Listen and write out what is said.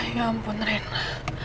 ya ampun reina